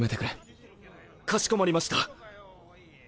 かしこまりました。